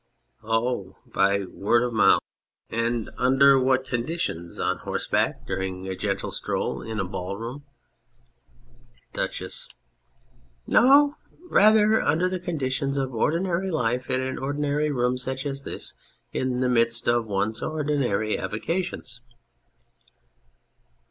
Oh, by word of mouth ! And under 215 On Anything what conditions ? On horseback ? During a gentle stroll ? In a ball room ? DUCHESS. No, rather under the conditions of ordi nary life, in an ordinary room such as this, in the midst of one's ordinary avocations.